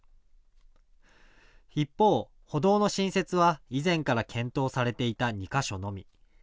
一方、歩道の新設は以前から検討されていた２か所のみ。